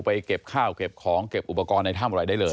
เก็บข้าวเก็บของเก็บอุปกรณ์ในถ้ำอะไรได้เลย